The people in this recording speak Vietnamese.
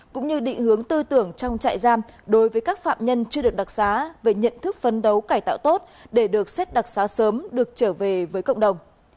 cũng như định hướng tư tưởng trong trại giam đối với các phạm nhân chưa được đặc xá về nhận thức phấn đấu cải tạo tốt để được xét đặc xá sớm được trở về với cộng đồng